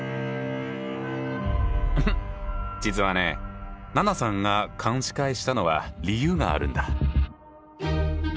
実はね奈奈さんが勘違いしたのは理由があるんだ。